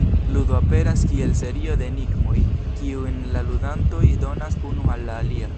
Ludo aperas kiel serio de enigmoj, kiujn la ludantoj donas unu al la alia.